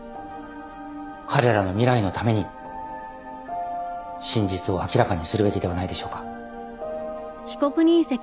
彼らの未来のために真実を明らかにするべきではないでしょうか。